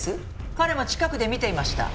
彼も近くで見ていました。